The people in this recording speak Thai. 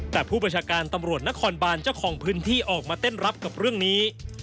แต่ผู้ประชาการตำรวจนครบานเจ้าของพื้นที่ออกมาเต้นรับกับเรื่องนี้